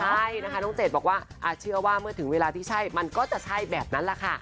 ใช่นะคะน้องเจดบอกว่าเชื่อว่าเมื่อถึงเวลาที่ใช่มันก็จะใช่แบบนั้นแหละค่ะ